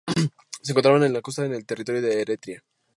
Se encontraba en la costa, en territorio de Eretria.